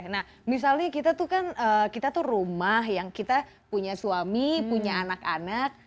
nah misalnya kita tuh kan kita tuh rumah yang kita punya suami punya anak anak